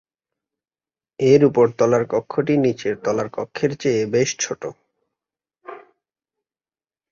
এর উপর তলার কক্ষটি নিচের তলার কক্ষের চেয়ে বেশ ছোট।